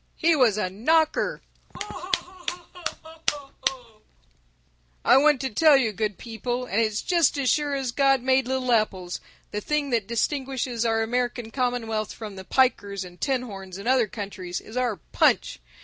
He was a knocker! (Laughter and applause.) "I want to tell you good people, and it's just as sure as God made little apples, the thing that distinguishes our American commonwealth from the pikers and tin horns in other countries is our Punch.